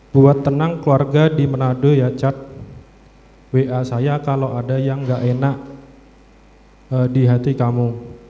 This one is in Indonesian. buat tenang keluarga di manado ya cat wa saya kalau ada yang gak enak di hati kamu